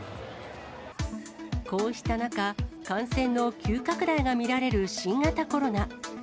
こうした中、感染の急拡大が見られる新型コロナ。